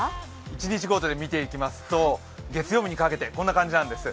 一日ごとに見ていきますと、月曜日にかけてこんな感じなんです。